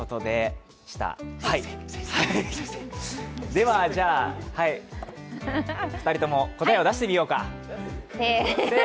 では、じゃあ二人とも答えを出してみようか。